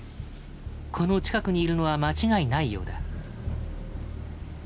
この近くにいるのは間違いないようだ。